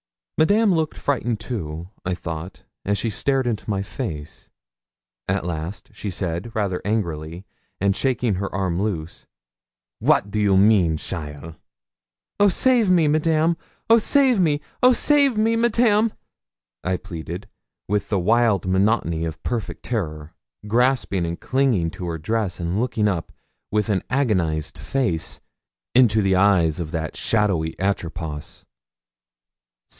Madame looked frightened too, I thought, as she stared into my face. At last she said, rather angrily, and shaking her arm loose 'What you mean, cheaile?' 'Oh save me, Madame! oh save me! oh save me, Madame!' I pleaded, with the wild monotony of perfect terror, grasping and clinging to her dress, and looking up, with an agonised face, into the eyes of that shadowy Atropos.